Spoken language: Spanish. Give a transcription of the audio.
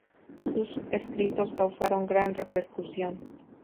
Sus escritos causaron gran repercusión.